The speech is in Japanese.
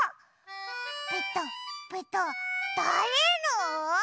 ペタペタだれの？